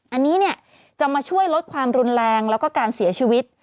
อันนี้เนี่ยจะมาช่วยลดความรุนแรงแล้วก็การเสียชีวิต